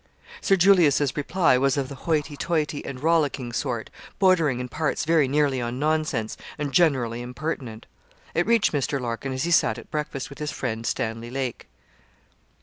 Sir Julius's reply was of the hoity toity and rollicking sort, bordering in parts very nearly on nonsense, and generally impertinent. It reached Mr. Larkin as he sat at breakfast with his friend, Stanley Lake.